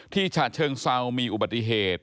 ที่ฉะเชิงเศร้ามีอุบัติเหตุ